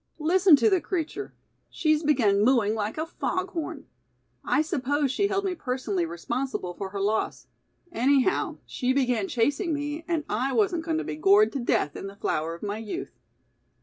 Listen to the creature. She's begun mooing like a foghorn. I suppose she held me personally responsible for her loss. Anyhow, she began chasing me and I wasn't going to be gored to death in the flower of my youth."